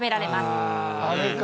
あれか。